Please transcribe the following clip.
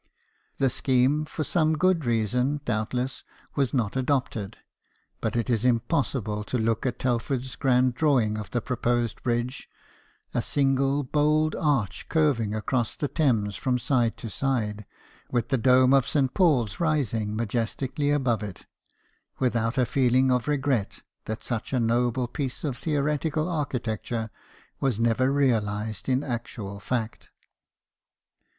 The scheme, for some good reason, doubtless, was not adopted ; but it is impossible to look at Telford's grand drawing of the proposed bridge a single bold arch, curving across the Thames from side to side, with the dome of St. Paul's rising majestically above it without a feeling of regret that such a noble piece of theoretical architecture was never realized in actual fact.